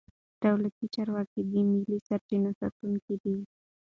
دولتي چارواکي د مالي سرچینو ساتونکي دي.